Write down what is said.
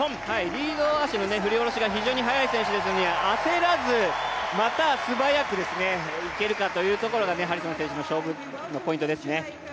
リード足の振り下ろしが非常に速い選手ですので、焦らずまた、素早く行けるかというところがハリソン選手の勝負のポイントですね。